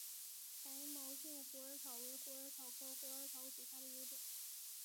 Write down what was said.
白毛茎虎耳草为虎耳草科虎耳草属下的一个种。